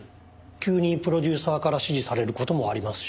急にプロデューサーから指示される事もありますし。